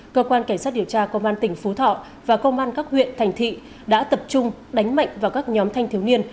cơ quan cảnh sát điều tra công an tỉnh phú thọ và công an các huyện thành thị đã tập trung đánh mạnh vào các nhóm thanh thiếu niên